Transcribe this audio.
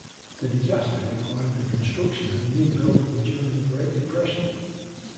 The disaster required the construction of a new building during the Great Depression.